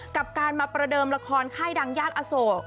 กับการมาประเดิมละครค่ายดังย่านอโศก